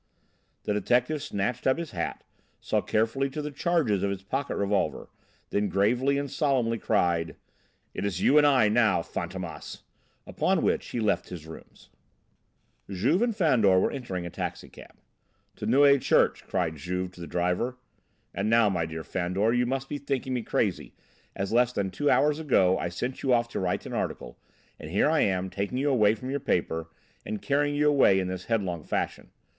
The detective snatched up his hat, saw carefully to the charges of his pocket revolver, then gravely and solemnly cried: "It is you and I now, Fantômas!" with which he left his rooms. Juve and Fandor were entering a taxi cab. "To Neuilly Church," cried Juve to the driver. "And, now, my dear Fandor, you must be thinking me crazy, as less than two hours ago I sent you off to write an article, and here I come taking you from your paper and carrying you away in this headlong fashion.